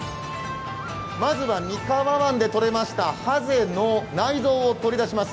まずは三河湾でとれましたはぜの内臓を取り出します。